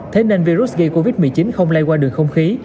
thế nên virus gây covid một mươi chín không lây qua đường không khí